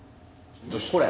これ。